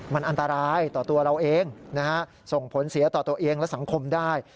มันอันตรายต่อตัวเราเองนะฮะส่งผลเสียต่อตัวเองและสังคมได้